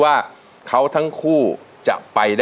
โปรดติดตามต่อไป